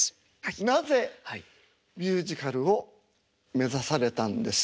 なぜミュージカルを目指されたんですか？